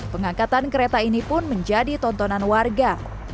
pengangkatan kereta ini pun menjadi tontonan warga